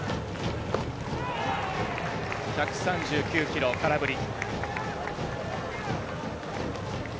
１３９キロ、空振り。